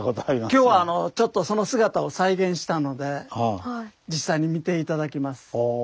今日はちょっとその姿を再現したので実際に見て頂きます。